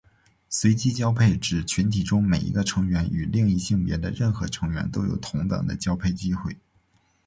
随机交配指群体中每一个成员与另一性别的任何成员都有同等的交配机会。